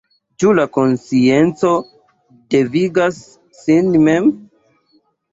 Ĉu la konscienco devigas sin mem?